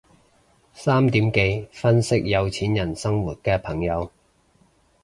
三點幾分析有錢人生活嘅朋友